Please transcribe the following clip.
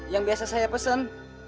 yang biasa saya pesen